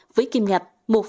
với kim ngạp